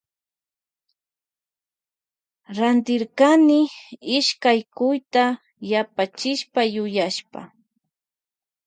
Rantirkni ishkay cuyta yapachisha yuyashpa.